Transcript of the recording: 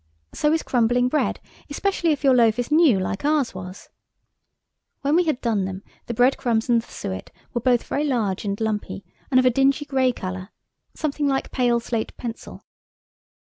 So is crumbling bread–especially if your loaf is new, like ours was. When we had done them the breadcrumbs and the suet were both very large and lumpy, and of a dingy grey colour, something like pale slate pencil.